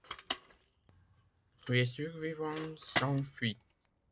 Les survivants s'enfuient.